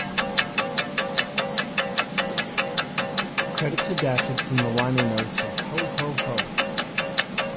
Credits adapted from the liner notes of "Ho Ho Ho".